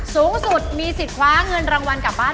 สูงสุดมีสิทธิ์คว้าเงินรางวัลกลับบ้าน